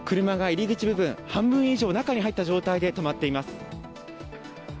車が入り口部分、半分以上、中に入った状態で止まっています。